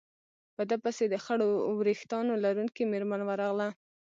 په ده پسې د خړو ورېښتانو لرونکې مېرمن ورغله.